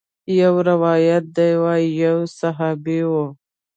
يو روايت ديه وايي يو صحابي و.